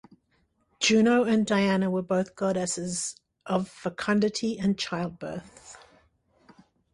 Juno and Diana were both goddesses of fecundity and childbirth.